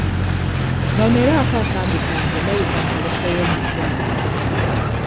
Noneraako akambe kange ndabika nkaleseeyo mu ggwaatiro.